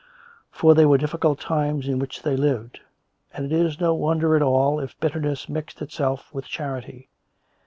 For they were difficult times in which they lived; and it is no wonder at all if bitterness mixed itself with charity.